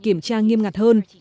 kiểm tra nghiêm ngặt hơn